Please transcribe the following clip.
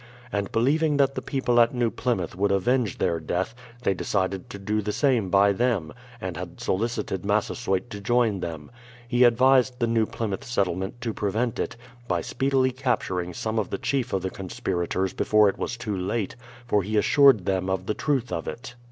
And believing that the people at New Plymouth would avenge their death, they decided to do the same by them, and had solicited Massasoyt to join them. He advised the New Plymouth settlement to prevent it, by speedily capturing some of the chief of the conspirators before it was too late, for he assured them of the truth of It.